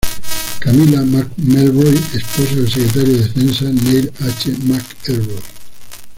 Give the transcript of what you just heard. Camilla F. McElroy, esposa del Secretario de Defensa Neil H. McElroy.